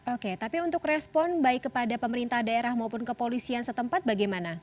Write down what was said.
oke tapi untuk respon baik kepada pemerintah daerah maupun kepolisian setempat bagaimana